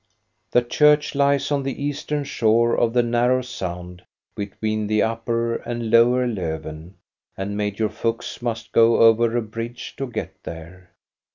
The church lies on the eastern shore of the narrow sound between the upper and lower Lofven, and Major Fuchs must go over a bridge to get there.